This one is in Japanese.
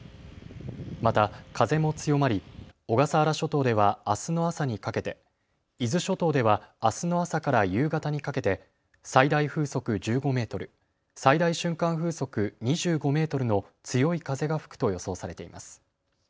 また風も強まり、小笠原諸島ではあすの朝にかけて、伊豆諸島ではあすの朝から夕方にかけて最大風速１５メートル、最大瞬間風速２５メートルの強い風が吹くと予想されています。